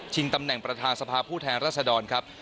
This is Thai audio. ตำแหน่งประธานสภาผู้แทนรัศดรครับ